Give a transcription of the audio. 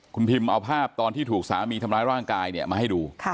คุณพิมเอาภาพตอนที่ถูกสามีทำร้ายร่างกายเนี่ยมาให้ดู